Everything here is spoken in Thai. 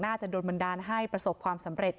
โดนบันดาลให้ประสบความสำเร็จ